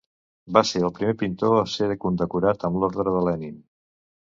Va ser el primer pintor a ser condecorat amb l'orde de Lenin.